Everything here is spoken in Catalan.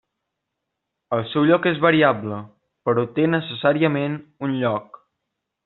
El seu lloc és variable, però té necessàriament un lloc.